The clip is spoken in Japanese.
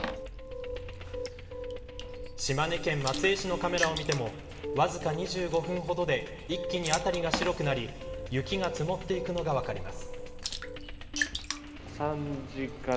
島根県松江市のカメラを見てもわずか２５分ほどで一気に辺りが白くなり雪が積もっていくのが分かります。